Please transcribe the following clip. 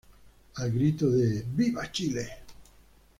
Al grito de ¡Viva Chile!